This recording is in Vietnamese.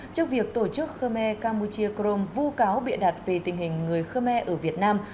trước việc tổ chức khmer cambodia chrome vô cáo bịa đặt về tình hình người khmer ở việt nam